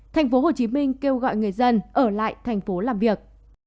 tp hcm kêu gọi người dân ở lại tp hcm làm việc